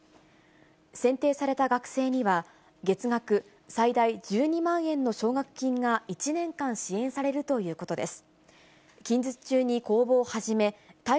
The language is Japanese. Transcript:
選定された学生には、月額最大１２万円の奨学金が１年間支援されるということです。